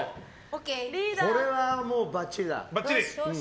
これはもうばっちりだ。